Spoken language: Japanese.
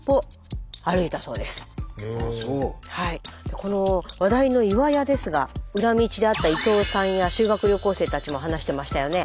この話題の岩屋ですが裏道で会った伊藤さんや修学旅行生たちも話してましたよね。